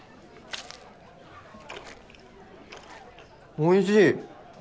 おいしい！